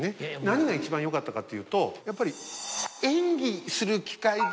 何が一番よかったかっていうとやっぱり。